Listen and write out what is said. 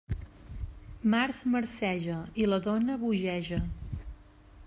Març marceja i la dona bogeja.